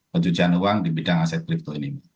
penjujuan uang di bidang aset crypto ini